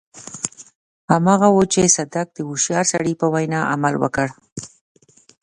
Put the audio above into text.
هماغه و چې صدک د هوښيار سړي په وينا عمل وکړ.